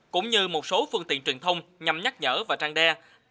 cũng như một số phương tiện truyền thông nhằm nhắc nhở và trang đe